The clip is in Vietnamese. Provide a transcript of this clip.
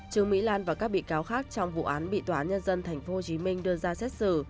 trương mỹ lan và các bị cáo khác trong vụ án bị tòa nhân dân thành phố hồ chí minh đưa ra xét xử